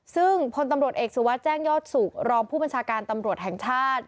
ซึ่งพลตำรวจเอกสุวัสดิ์แจ้งยอดสุขรองผู้บัญชาการตำรวจแห่งชาติ